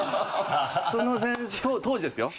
その先生当時ですよ。